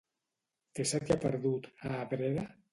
Què se t'hi ha perdut, a Abrera?